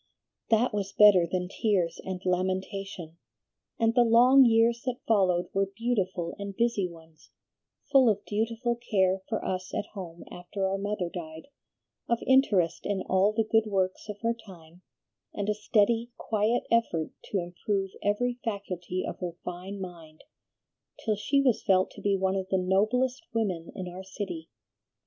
"That was better than tears and lamentation, and the long years that followed were beautiful and busy ones, full of dutiful care for us at home after our mother died, of interest in all the good works of her time, and a steady, quiet effort to improve every faculty of her fine mind, till she was felt to be one of the noblest women in our city.